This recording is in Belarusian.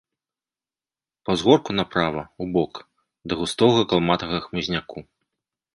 Па ўзгорку направа, убок, да густога калматага хмызняку.